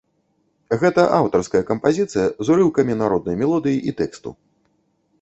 Гэта аўтарская кампазіцыя з урыўкамі народнай мелодыі і тэксту.